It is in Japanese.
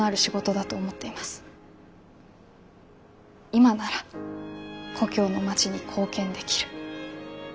今なら故郷の町に貢献できる。